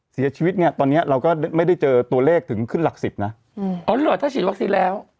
เสียชีวิตเนี่ยตอนเนี้ยเราก็ไม่ได้เจอตัวเลขถึงขึ้นหลักสิบนะอ๋อเหรอถ้าฉีดวัคซีนแล้ว